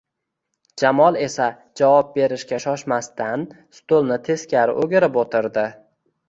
Jamol esa javob berishga shoshmasdan stulni teskari o`girib o`tirdi